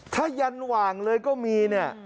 ถ้ายันหว่างเลยก็มี